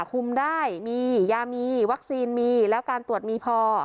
คุมได้มียามีวัคซีนมีแล้วการตรวจมีพอ